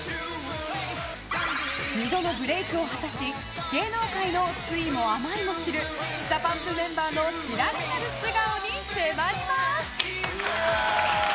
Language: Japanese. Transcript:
２度のブレークを果たし芸能界の酸いも甘いも知るＤＡＰＵＭＰメンバーの知られざる素顔に迫ります。